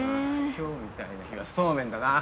今日みたいな日はそうめんだな。